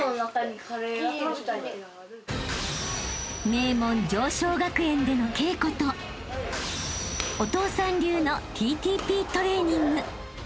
［名門常翔学園での稽古とお父さん流のＴＴＰトレーニング］